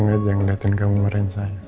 nggak usah ngeliatin kamu marahin saya